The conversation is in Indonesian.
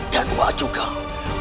dan gue juga akan membawa kepadamu